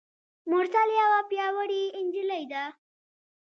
مرسل یوه پیاوړي نجلۍ ده.